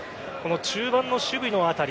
中盤の守備の辺り